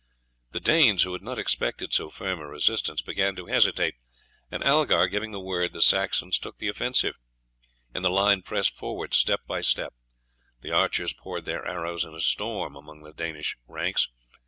The Danes, who had not expected so firm a resistance, began to hesitate, and Algar giving the word, the Saxons took the offensive, and the line pressed forward step by step. The archers poured their arrows in a storm among the Danish ranks.